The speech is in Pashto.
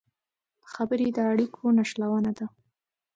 خبرې د اړیکو نښلونه ده